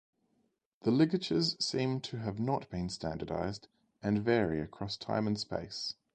The ligatures seem to have not been standardized and vary across time and space.